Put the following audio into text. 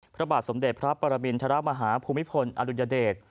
พระบาทสมเด็จพระปรมินทรมาฮาภูมิพลอดุญเดช